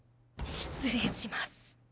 失礼します。